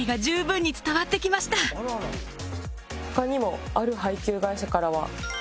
他にもある配給会社からは。